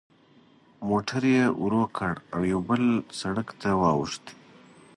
موټر یې ورو کړ او یوه بل سړک ته واوښت.